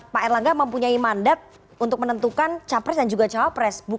pak erlangga mempunyai mandat untuk menentukan capres dan juga cawapres